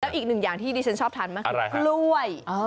อีกหนึ่งอย่างที่ดิฉันชอบทานมากคือกล้วย